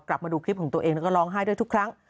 มาดูคลิปของตัวเองแล้วก็ร้องไห้ด้วยทุกครั้ง